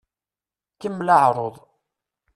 Kemmel aɛeṛṛuḍ!